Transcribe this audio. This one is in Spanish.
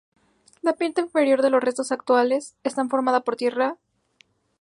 La parte inferior de los restos actuales está formada por tierra apisonada.